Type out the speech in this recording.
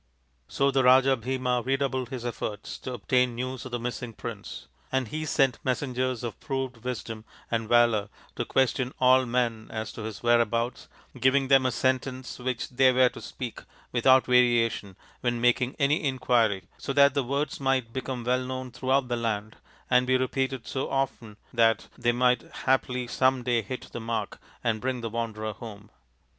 So the Raja Bhima redoubled his efforts to obtain news of the missing prince ; and he sent messengers of proved wisdom and valour to question all men as to his whereabouts, giving them a sentence which they were to speak without variation when making any inquiry, so that the words might become well known NALA THE GAMESTER 139 throughout the land and be repeated so often that they might haply some day hit the mark and bring the wanderer home.